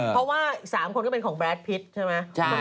เพราะว่า๓คนก็เป็นของแบรดพิษใช่ไหม